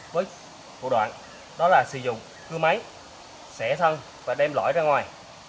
với thủ đoạn đó là sử dụng cưa máy xẻ thân và đem lõi ra ngoài